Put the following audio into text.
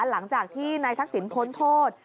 หลังจากที่นายทักษิณพ้นโทษ